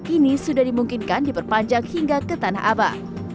ini sudah dimungkinkan diperpanjang hingga ke tanah abang